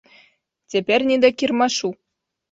Цяпер не да кірмашу.